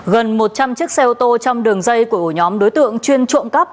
gần một trăm linh chiếc xe ô tô trong đường dây của nhóm đối tượng chuyên trộm cấp